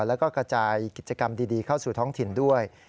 แล้วก็กระจายกิจกรรมดีเข้าสู่ท้องถิ่นด้วย